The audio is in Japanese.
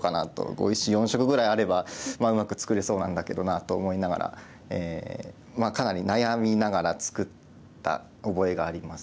碁石４色ぐらいあればうまく作れそうなんだけどなと思いながらかなり悩みながら作った覚えがあります。